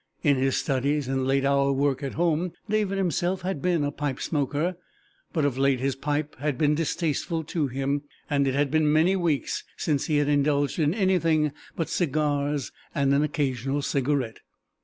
In his studies and late hour work at home David himself had been a pipe smoker, but of late his pipe had been distasteful to him, and it had been many weeks since he had indulged in anything but cigars and an occasional cigarette.